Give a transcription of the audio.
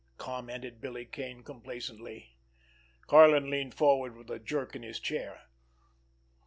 commented Billy Kane complacently. Karlin leaned forward with a jerk in his chair.